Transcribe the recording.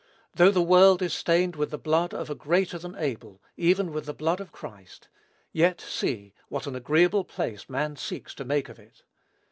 Though the world is stained with the blood of "a greater than" Abel, even with the blood of Christ; yet see what an agreeable place man seeks to make of it!